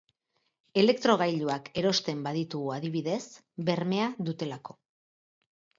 Elektrogailuak erosten baditugu adibidez, bermea dutelako.